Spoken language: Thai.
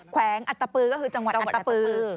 แวงอัตตปือก็คือจังหวัดอัตตปือ